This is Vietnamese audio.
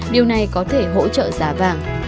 điều này có thể hỗ trợ giá vàng